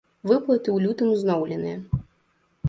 Выплаты ў лютым узноўленыя.